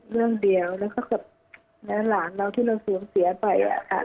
เรื่องเดียวแล้วก็กับหลานเราที่เราสูญเสียไป